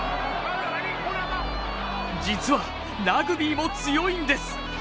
実はラグビーも強いんです！